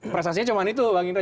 prestasinya cuma itu bang indra